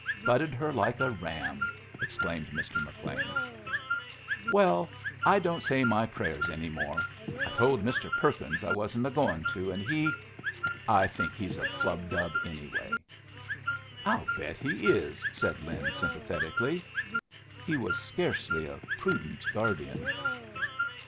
"Butted her like a ram," exclaimed Mr. McLean. "Well, I don't say my prayers any more. I told Mr. Perkins I wasn't a going to, an' he I think he is a flubdub anyway." "I'll bet he is!" said Lin, sympathetically. He was scarcely a prudent guardian.